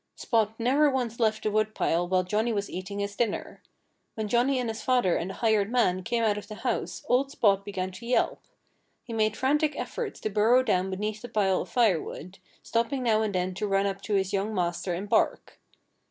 Spot never once left the woodpile while Johnnie was eating his dinner. When Johnnie and his father and the hired man came out of the house later old Spot began to yelp. He made frantic efforts to burrow down beneath the pile of firewood, stopping now and then to run up to his young master and bark.